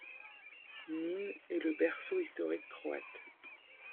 Nin est le berceau historique croate.